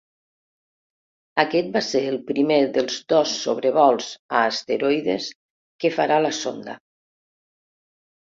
Aquest va ser el primer dels dos sobrevols a asteroides que farà la sonda.